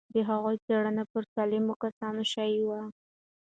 د هغوی څېړنه پر سالمو کسانو شوې وه.